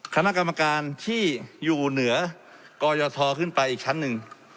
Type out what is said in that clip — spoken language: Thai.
คณะกรรมการที่อยู่เหนือกยทขึ้นไปอีกชั้นหนึ่ง